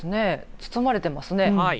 包まれてますね。